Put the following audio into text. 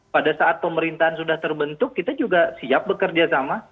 pada saat pemerintahan sudah terbentuk kita juga siap bekerjasama